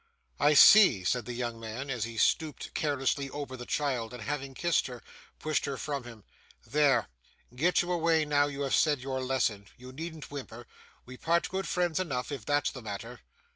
'I see!' said the young man, as he stooped carelessly over the child, and having kissed her, pushed her from him: 'There get you away now you have said your lesson. You needn't whimper. We part good friends enough, if that's the matter.